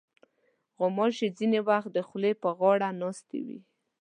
غوماشې ځینې وخت د خولې پر غاړه ناستې وي.